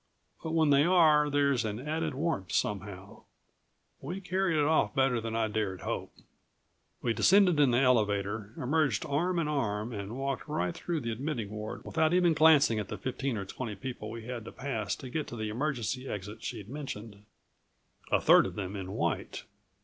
But when they are there's an added warmth somehow We carried it off better than I'd dared to hope. We descended in the elevator, emerged arm in arm and walked right through the admitting ward without even glancing at the fifteen or twenty people we had to pass to get to the emergency exit she'd mentioned, a third of them in white.